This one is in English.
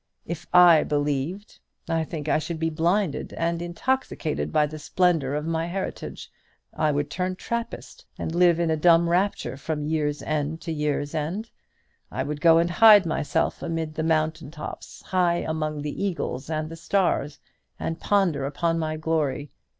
If I believed, I think I should be blinded and intoxicated by the splendour of my heritage; I would turn Trappist, and live in a dumb rapture from year's end to year's end. I would go and hide myself amid the mountain tops, high up amongst the eagles and the stars, and ponder upon my glory.